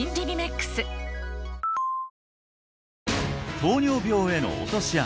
糖尿病への落とし穴